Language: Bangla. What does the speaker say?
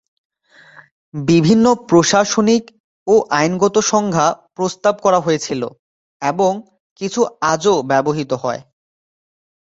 বিভিন্ন প্রশাসনিক ও আইনগত সংজ্ঞা প্রস্তাব করা হয়েছিল এবং কিছু আজও ব্যবহৃত হয়।